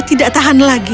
oh dia tidak tahan lagi